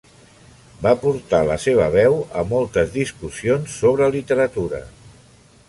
Va portar la seva veu a moltes discussions sobre literatura.